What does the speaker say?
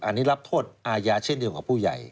อันนี้รับโทษอาญาเช่นเดียวกับผู้ใหญ่